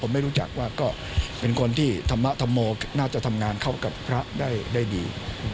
ไม่รู้จักว่าก็เป็นคนที่ธรรมธรรโมน่าจะทำงานเข้ากับพระได้ดี